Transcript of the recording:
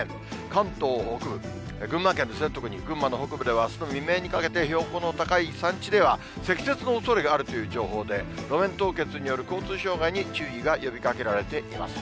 関東北部、群馬県ですね、特に群馬の北部では、あすの未明にかけて、標高の高い山地では、積雪のおそれがあるという情報で、路面凍結による交通障害に注意が呼びかけられています。